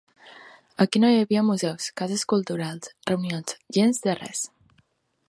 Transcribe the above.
Aquí no hi havia museus, cases culturals, reunions, gens de res!